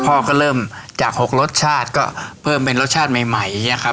พ่อก็เริ่มจาก๖รสชาติก็เพิ่มเป็นรสชาติใหม่อย่างนี้ครับ